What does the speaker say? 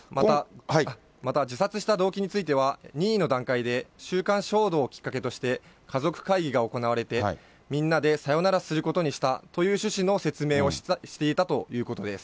また、自殺した動機については、任意の段階で、週刊誌報道をきっかけとして家族会議が行われて、みんなでさよならすることにしたという趣旨の説明をしていたということです。